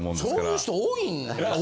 そういう人多いんですね。